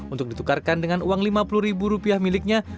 untuk ditukarkan dengan uang lima puluh ribu rupiah miliknya